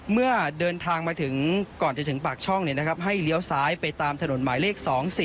เมื่อเดินทางมาถึงก่อนจะถึงปากช่องให้เลี้ยวซ้ายไปตามถนนหมายเลข๒๔